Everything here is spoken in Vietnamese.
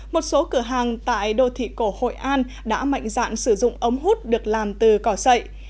một số cửa hàng tại đô thị cổ hội an đã mạnh dạn sử dụng ống hút được làm từ cỏ sậy